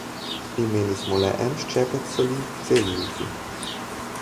Imeli smo le en ščepec soli v celi juhi.